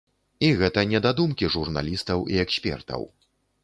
І гэта не дадумкі журналістаў і экспертаў.